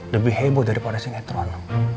lebih heboh daripada sinetron